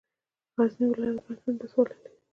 غزني ولايت ګڼ شمېر ولسوالۍ لري.